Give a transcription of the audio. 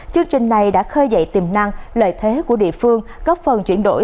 chương trình này đã khơi dậy tiềm năng lợi thế của địa phương góp phần chuyển đổi